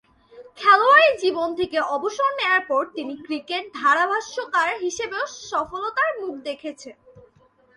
খেলোয়াড়ী জীবন থেকে অবসর নেয়ার পর তিনি ক্রিকেট ধারাভাষ্যকার হিসেবেও সফলতার মুখ দেখেছেন।